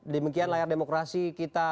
demikian layar demokrasi kita malam ini